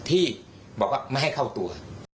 ที่บอกว่าไม่ให้เข้าตัว